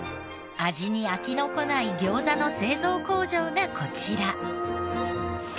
味に飽きの来ない餃子の製造工場がこちら。